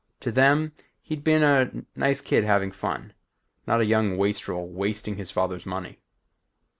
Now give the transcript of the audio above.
To them, he'd been a nice kid having fun; not a young wastrel wasting his father's money.